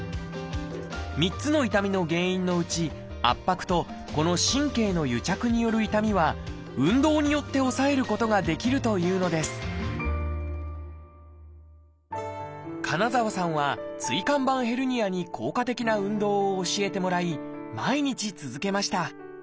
３つの痛みの原因のうち圧迫とこの神経の癒着による痛みは運動によって抑えることができるというのです金澤さんは椎間板ヘルニアに効果的な運動を教えてもらい毎日続けました。